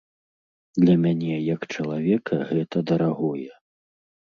Для мяне як чалавека гэта дарагое.